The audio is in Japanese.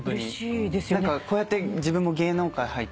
こうやって自分も芸能界入って。